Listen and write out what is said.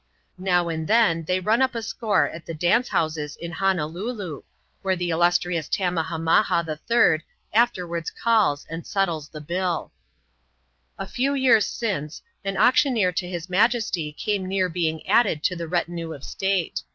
Now and then thej ran up & score at the dance houses in Honolulu^ where the ittastrious Tammahaminaha HI. afterwards calls and settles &e bilL • A few years ranee, an auctioneer to has mi^esty came near being added to the retinue of state.